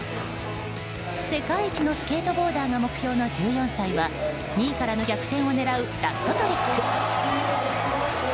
世界一のスケートボーダーが目標の１４歳は２位からの逆転を狙うラストトリック。